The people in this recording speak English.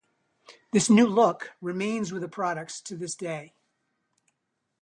This new look remains with the products to this day.